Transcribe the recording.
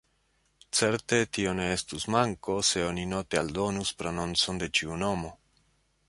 Certe, tio ne estus manko, se oni note aldonus prononcon de ĉiu nomo.